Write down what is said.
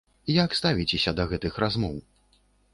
Як ставіцеся да гэтых размоў?